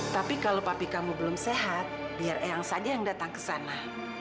tapi kalau papi kamu belum sehat biar eyang saja yang datang ke sana